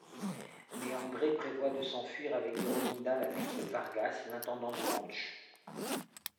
Mais Andre prévoit de s'enfuir avec Erolinda, la fille de Vargas, l'intendant du ranch.